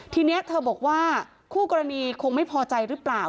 ทีนี้เธอบอกว่าคู่กรณีคงไม่พอใจหรือเปล่า